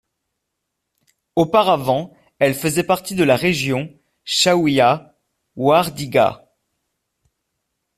Auparavant, elle faisait partie de la région Chaouia-Ouardigha.